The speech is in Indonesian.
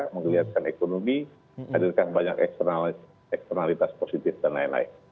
menggeliatkan ekonomi hadirkan banyak eksternalitas positif dan lain lain